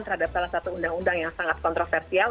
terhadap salah satu undang undang yang sangat kontroversial